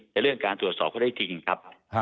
เรื่องการตรวจสอบเขาได้จริงครับ